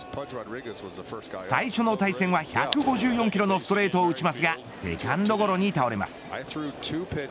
最初の対戦は１５４キロのストレートを打ちますがセカンドゴロに倒れます。